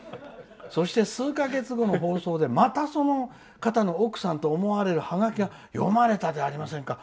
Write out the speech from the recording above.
そして数か月後の放送でまたその方の奥さんと思われるハガキが読まれたじゃありませんか。